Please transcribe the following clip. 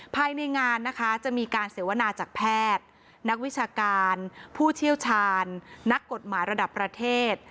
ภายในงานนะคะจะมีการเสวนาจากแพทย์นักวิชาการผู้เชี่ยวชาญนักกฎหมายระดับประเทศ